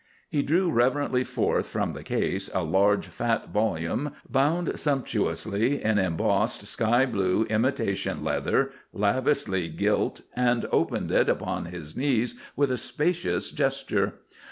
He drew reverently forth from the case a large, fat volume, bound sumptuously in embossed sky blue imitation leather, lavishly gilt, and opened it upon his knees with a spacious gesture.